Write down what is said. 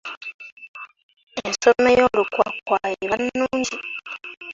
Ensoma ey'olukwakwayo eba nnungi.